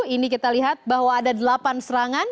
ini kita lihat bahwa ada delapan serangan